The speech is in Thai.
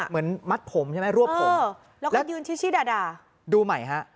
เหมือนมัดผมใช่ไหมรวบผมแล้วก็ยืนชี้ด่าด่าดูใหม่ฮะ